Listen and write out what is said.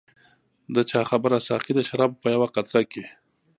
د چا خبره ساقي د شرابو په یوه قطره کې.